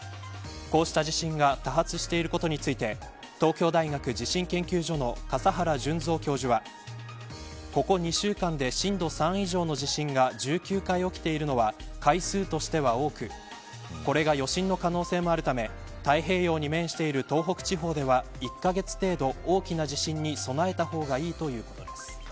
こうした地震が多発していることについて東京大学地震研究所の笠原順三教授はここ２週間で震度３以上の地震が１９回起きているのは回数としては多くこれが余震の可能性もあるため太平洋に面している東北地方では１カ月程度、大きな地震に備えた方がいいということです。